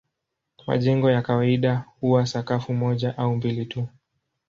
Majengo ya kawaida huwa sakafu moja au mbili tu.